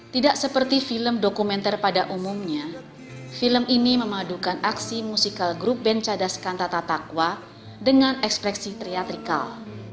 tidak seperti film dokumenter pada umumnya film ini memadukan aksi musikal grup band cadas kantata takwa dengan ekspresi triatrikal